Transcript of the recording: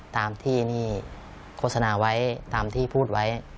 ตามที่นี่โฆษณาไว้ตามที่พูดไว้